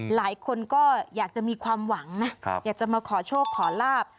หลายคนก็อยากจะมีความหวังนะอยากจะมาขอโชคขอลาบ